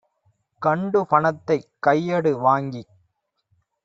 கண்டு பணத்தைக் கையடு வாங்கிக்